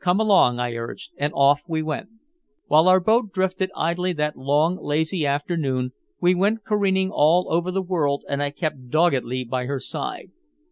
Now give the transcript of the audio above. "Come along," I urged, and off we went. While our boat drifted idly that long, lazy afternoon, we went careering all over the world and I kept doggedly by her side.